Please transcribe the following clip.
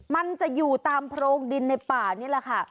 มันจะอยู่ตามโพรงดินในป่านี่แหละค่ะ